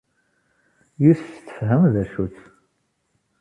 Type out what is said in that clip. Yis-s tefhem d acu-tt.